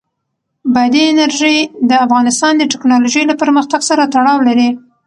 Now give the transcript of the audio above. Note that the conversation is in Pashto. بادي انرژي د افغانستان د تکنالوژۍ له پرمختګ سره تړاو لري.